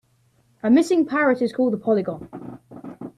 A missing parrot is called a polygon.